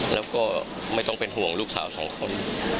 แล้วก็ไม่ต้องเป็นห่วงลูกสาวสองคน